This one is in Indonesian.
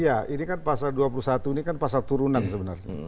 iya ini kan pasal dua puluh satu ini kan pasal turunan sebenarnya